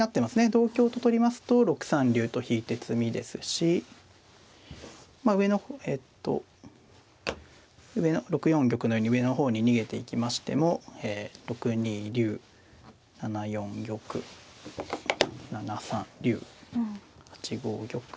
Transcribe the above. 同香と取りますと６三竜と引いて詰みですしまあ上の方えと６四玉のように上の方に逃げていきましても６二竜７四玉７三竜８五玉。